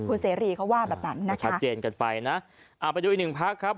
คุณเสรีเขาว่าแบบนั้นนะคะชัดเจนกันไปนะอ่าไปดูอีกหนึ่งพักครับ